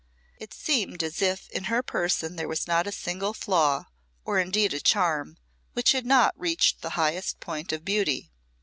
It seemed as if in her person there was not a single flaw, or indeed a charm, which had not reached the highest point of beauty.